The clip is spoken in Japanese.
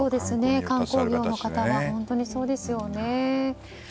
観光業の方は本当にそうですよね。